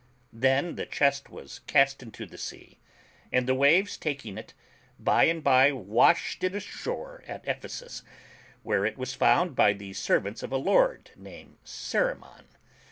Then the chest was cast into the sea, and the waves taking it, by and by washed it ashore at Ephesus, where it was found by the ser vants of a lord named Cerimon.